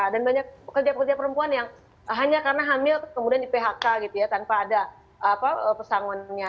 dan banyak pekerja pekerja perempuan yang hanya karena hamil kemudian di phk tanpa ada pesangonnya